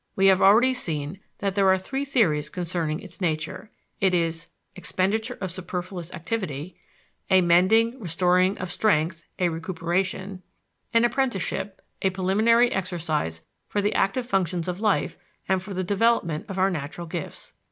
We have already seen that there are three theories concerning its nature it is "expenditure of superfluous activity," "a mending, restoring of strength, a recuperation," "an apprenticeship, a preliminary exercise for the active functions of life and for the development of our natural gifts."